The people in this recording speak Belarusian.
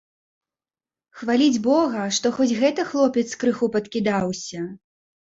Хваліць бога, што хоць гэты хлопец крыху падкідаўся.